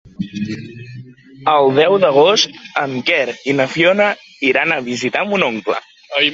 El deu d'agost en Quer i na Fiona iran a visitar mon oncle.